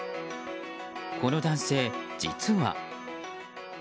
この男性、実は。